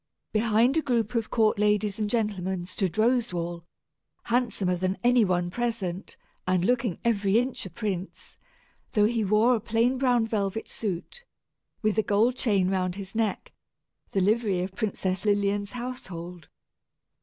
Behind a group of court ladies and gentlemen stood Roswal, handsomer than any one present, and looking every inch a prince, though he wore a plain brown velvet suit, with a gold chain round his neck, the livery of Princess Lilian's household.